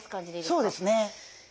そうですね。